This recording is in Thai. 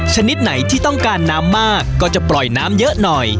ชนิดไหนที่ต้องการน้ำมากก็จะปล่อยน้ำเยอะหน่อย